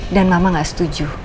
dan mama gak setuju